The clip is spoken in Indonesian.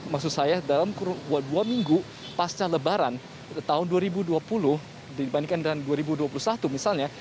maksud saya dalam dua minggu pasca lebaran tahun dua ribu dua puluh dibandingkan dengan dua ribu dua puluh satu misalnya